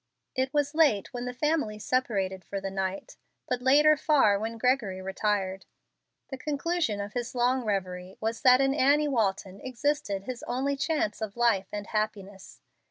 It was late when the family separated for the night, but later far when Gregory retired. The conclusion of his long revery was that in Annie Walton existed his only chance of life and happiness.